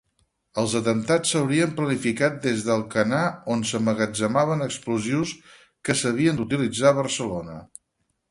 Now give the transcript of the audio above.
Els atemptats s'haurien planificat des d'Alcanar, on s'emmagatzemaven explosius que s'havien d'utilitzar a Barcelona.